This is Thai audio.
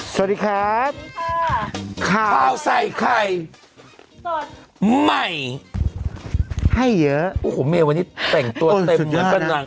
สวัสดีครับสวัสดีค่ะข้าวใส่ไครสดใหม่ให้เยอะโอ้โหเมววันนี้แต่งตัวเต็มเหมือนสุดยอดนะ